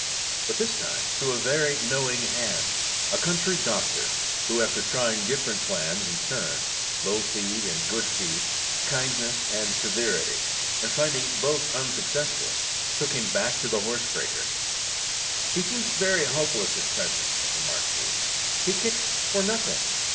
But this time to a very knowing hand, a country doctor, who after trying different plans in turn–low feed and good feed, kindness and severity, and finding both unsuccessful, took him back to the horsebreaker. "He seems very hopeless at present," remarked he; "he kicks for nothing.